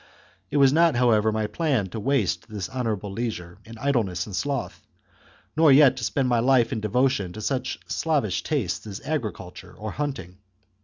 It was not, however, my plan to waste this honourable leisure in idleness and sloth, nor yet to spend my life in devotion to such slavish tastes as agriculture or hunting.